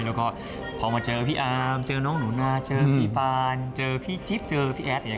แล้วก็พอมาเจอพี่อาร์มเจอน้องหนูนาเจอพี่ฟานเจอพี่จิ๊บเจอพี่แอดอย่างนี้